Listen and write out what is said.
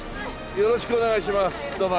よろしくお願いします。